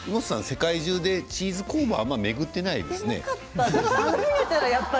世界中でチーズ工房はあまり巡っていないですよね。